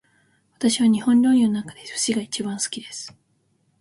私は日本料理の中で寿司が一番好きです